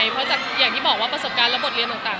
เพราะอย่างที่บอกว่าประสบการณ์และบทเรียนต่าง